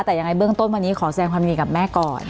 แต่ยังไงเบื้องต้นวันนี้ขอแสดงความดีกับแม่ก่อน